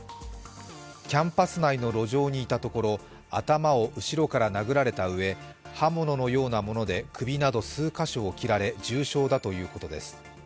キャンパス内の路上にいたところ、頭を後ろから殴られたうえ、刃物のようなもので首など数か所を切られ、重傷だということです。